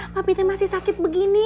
papitnya masih sakit begini